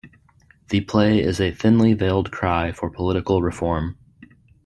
The play is a thinly veiled cry for political reform.